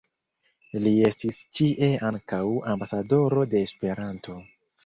Li estis ĉie ankaŭ "ambasadoro de Esperanto.